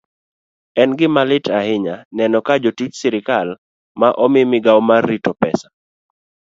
En gima lit ahinya neno ka jotich sirkal ma omi migawo mar rito pesa